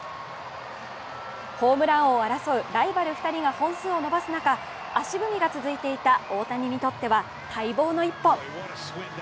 ホームラン王を争うライバル２人が本数を伸ばす中足踏みが続いていた大谷にとっては待望の１本。